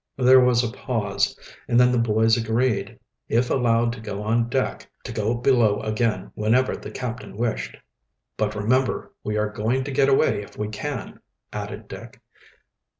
There was a pause, and then the boys agreed, if allowed to go on deck, to go below again whenever the captain wished. "But, remember, we are going to get away if we can," added Dick.